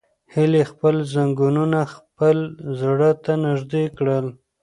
هیلې خپل زنګونونه خپل زړه ته نږدې کړل.